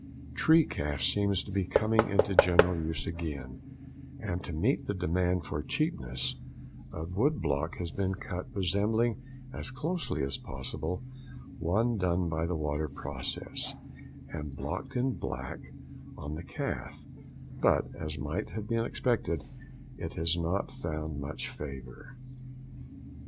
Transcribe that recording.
Tree calf seems to be coming into general use again, and to meet the demand for cheapness, a wood block has been cut resembling as closely as possible one done by the water process, and blocked in black on the calf; but, as might have been expected, it has not found much favour.